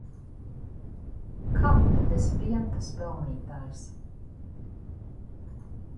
Kam tad es vien tas pelnītājs!